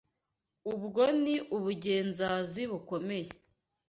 Ubwo ni ubugenzazibukomeye.